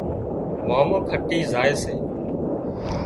مامو کٽِي زائي سي